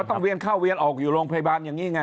เวียนเข้าเวียนออกอยู่โรงพยาบาลอย่างนี้ไง